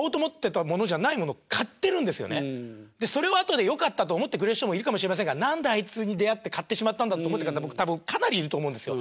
それを後でよかったと思ってくれる人もいるかもしれませんが何であいつに出会って買ってしまったんだって思ってる方僕かなりいると思うんですよ。